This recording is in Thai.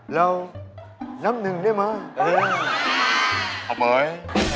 เรานำหนึ่งได้ไหมเออเออไม๊